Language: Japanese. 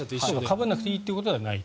かぶらなくていいというわけではない。